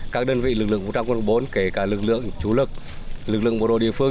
các đơn vị lực lượng vũ trang quân bốn kể cả lực lượng chủ lực lực lượng bộ đội địa phương